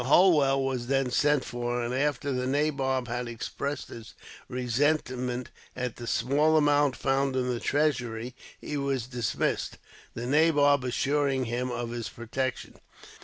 Holwell was then sent for, and after the nabob had expressed his resentment at the small amount found in the treasury, he was dismissed, the nabob assuring him of his protection.